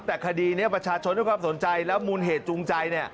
แต่คดีนี้ประชาชนด้วยความสนใจแล้วมูลเหตุจูงใจ